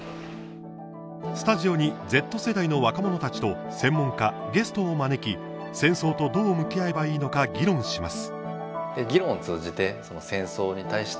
スタジオにＺ世代の若者たちと専門家、ゲストを招き戦争とどう向き合えばいいのか議論します。